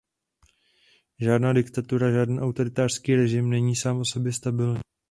Žádná diktatura, žádný autoritářský režim není sám o sobě stabilní.